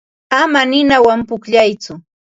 Ama ninawan pukllatsu.